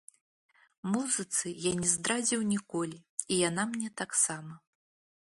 Музыцы я не здрадзіў ніколі, і яна мне таксама.